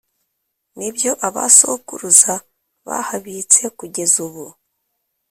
n’ibyo abasokuruza bahabitse kugeza ubu,